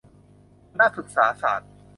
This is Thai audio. คณะศึกษาศาสตร์